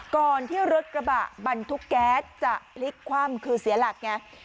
ก่อนที่รถกระบะบรรทุกแก๊สจะพลิกคว่ำคือเสียหลักไง